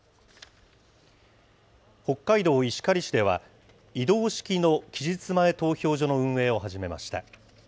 北海道石狩市では、移動式の期日前投票所の運営を始めました。